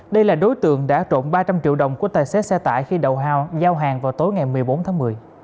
đây là đối tượng đã trộn ba trăm linh triệu đồng của tài xế xe tải khi đầu hao giao hàng vào tối ngày một mươi bốn tháng một mươi